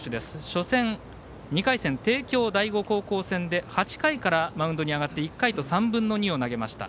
初戦、２回戦、帝京第五戦で８回からマウンドに上がって１回と３分の２を投げました。